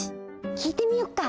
きいてみよっか。